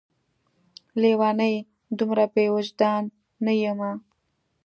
لېونۍ! دومره بې وجدان نه یمه